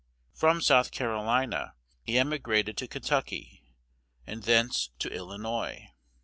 From South Carolina he emigrated to Kentucky, and thence to Illinois.